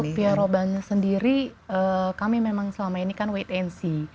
untuk pierre robin nya sendiri kami memang selama ini kan wait and see